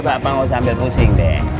bapak gak usah ambil pusing deh